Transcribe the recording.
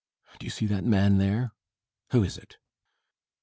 ] Do you see that man there? Who is it?